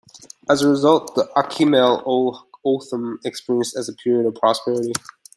As a result, the Akimel O'Otham experienced a period of prosperity.